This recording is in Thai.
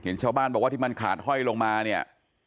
ชาวบ้านบอกว่าที่มันขาดห้อยลงมาเนี่ย